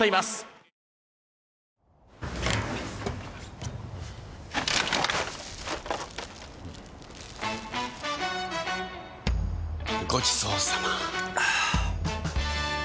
はぁごちそうさま！